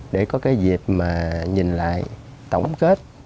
để có cái dịp mà nhìn lại tổng kết